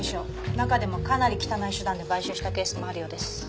中でもかなり汚い手段で買収したケースもあるようです。